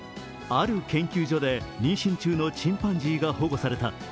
ある研究所で妊娠中のチンパンジーが保護された。